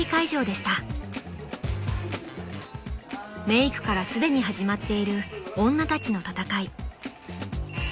［メークからすでに始まっている女たちの戦い］